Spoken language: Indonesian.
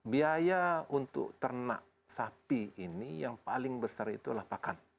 biaya untuk ternak sapi ini yang paling besar itu adalah pakan